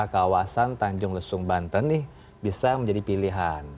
kawasan tanjung lesung banten nih bisa menjadi pilihan